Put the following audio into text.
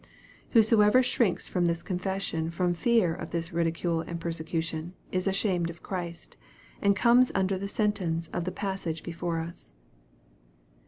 Whosoever shrinks from this confession from fear of this ridicule and per secution, is ashamed of Christ, and comes under the sentence of the passage before us.